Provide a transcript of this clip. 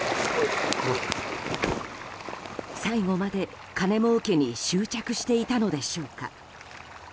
最後まで金もうけに執着していたのでしょうか。